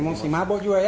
emosi mabok juga ya